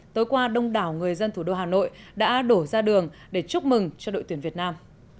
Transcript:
tối qua đông đảo người dân thủ đô hà nội đã đổ ra đường để chúc mừng cho đội tuyển việt nam